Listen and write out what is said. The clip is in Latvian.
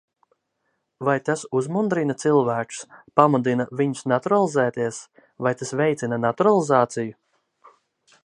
Vai tas uzmundrina cilvēkus, pamudina viņus naturalizēties, vai tas veicina naturalizāciju?